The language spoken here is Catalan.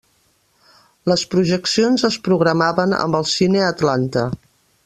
Les projeccions es programaven amb el Cine Atlanta.